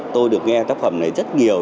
tôi được nghe tác phẩm này rất nhiều